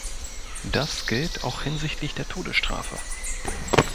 Das gilt auch hinsichtlich der Todesstrafe.